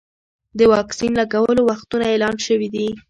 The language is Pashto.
د واکسین لګولو وختونه اعلان شوي دي.